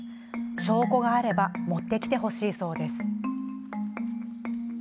証拠があれば、その際に持ってきてほしいそうです。